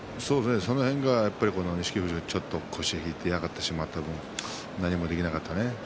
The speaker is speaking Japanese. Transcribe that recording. その辺は錦富士はちょっと腰を引いて嫌がった分、何もできなかったね。